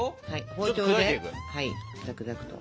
包丁ではいザクザクと。